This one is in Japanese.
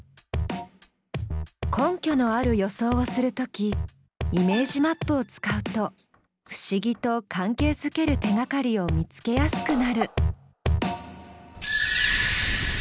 根拠のある予想をする時イメージマップを使うと不思議と関係づける手がかりを見つけやすくなる。